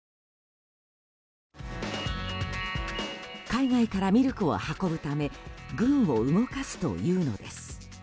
海外からミルクを運ぶため軍を動かすというのです。